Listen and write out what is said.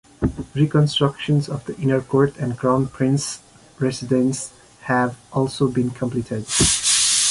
Reconstructions of the Inner Court and Crown Prince's residence have also been completed.